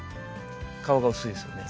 皮が薄いですよね。